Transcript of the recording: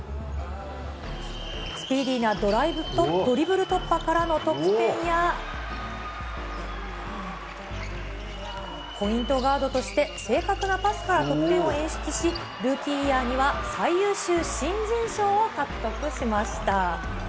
スピーディーなドリブル突破からの得点や、ポイントガードとして、正確なパスから得点を演出し、ルーキーイヤーには最優秀新人賞を獲得しました。